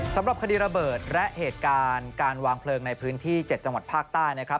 สำหรับคดีระเบิดและเหตุการณ์การวางเพลิงในพื้นที่๗จังหวัดภาคใต้นะครับ